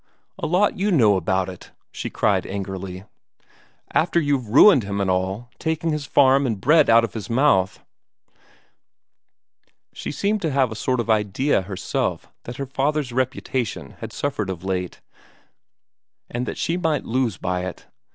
"A lot you know about it!" she cried angrily. "After you've ruined him and all, taking his farm and the bread out of his mouth." She seemed to have a sort of idea herself that her father's reputation had suffered of late, and that she might lose by it.